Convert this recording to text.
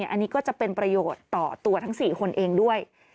อันนี้ก็จะเป็นประโยชน์ต่อตัวทั้ง๔คนเองด้วย